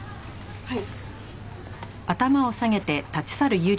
はい。